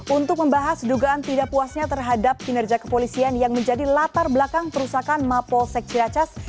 untuk membahas dugaan tidak puasnya terhadap kinerja kepolisian yang menjadi latar belakang perusakan mapolsek ciracas